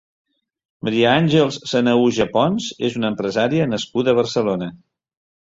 Maria Àngels Sanahuja Pons és una empresària nascuda a Barcelona.